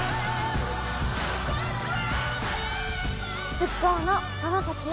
復興のその先へ。